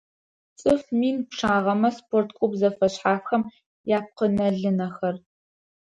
ЦӀыф мин пчъагъэмэ спорт клуб зэфэшъхьафхэм япкъынэ-лынэхэр